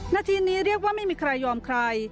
นาทีนี้เรียกว่าไม่มีใครยอมใคร